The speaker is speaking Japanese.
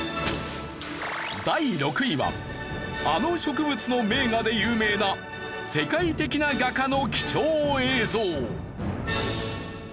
第６位はあの植物の名画で有名な世界的な画家の貴重映像。